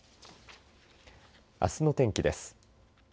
あすの天気です。